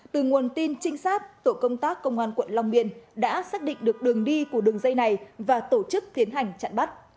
từ nguồn tin trinh sát tổ công tác công an quận long biên đã xác định được đường đi của đường dây này và tổ chức tiến hành chặn bắt